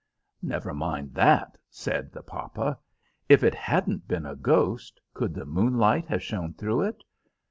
"Never mind, that," said the papa. "If it hadn't been a ghost, could the moonlight have shone through it?